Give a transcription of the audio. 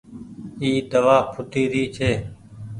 اي دوآ ڦوٽي ري ڇي۔